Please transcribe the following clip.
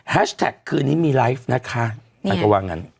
แฮชแท็กคืนนี้มีไลฟ์นะคะกันกว่างนั้น